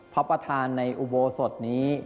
พระประธานในอุโบสถนี้